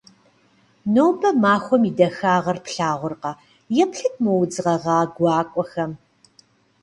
Нобэ махуэм и дахагъэр плъагъуркъэ? Еплъыт мо удз гъэгъа гуакӀуэхэм.